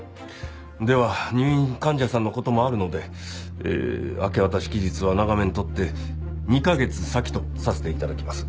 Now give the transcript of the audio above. では入院患者さんの事もあるので明け渡し期日は長めに取って２カ月先とさせて頂きます。